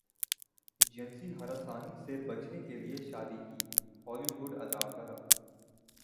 جنسی ہراسانی سے بچنے کیلئے شادی کی ہولی وڈ اداکارہ